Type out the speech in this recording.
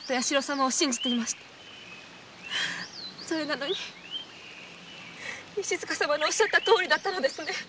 それなのに石塚様の言われたとおりだったのですね。